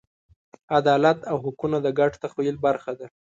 عدالت او حقونه د ګډ تخیل برخه ده.